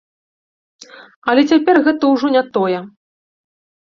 Але цяпер гэта ўжо не тое.